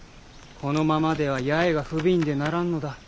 このままでは八重が不憫でならんのだ。